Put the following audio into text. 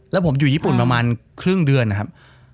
แล้วผมอยู่ญี่ปุ่นประมาณครึ่งเดือนนะครับ